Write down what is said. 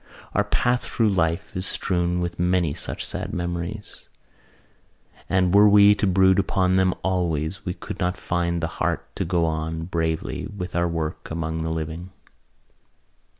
Our path through life is strewn with many such sad memories: and were we to brood upon them always we could not find the heart to go on bravely with our work among the living.